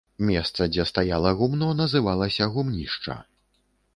Месца, дзе стаяла гумно, называлася гумнішча.